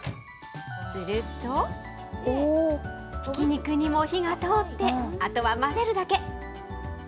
すると、ひき肉にも火が通って、あとは混ぜるだけ。